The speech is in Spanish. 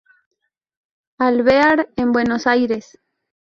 Alvear en Buenos Aires.